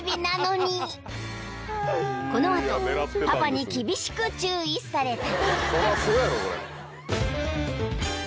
［この後パパに厳しく注意された］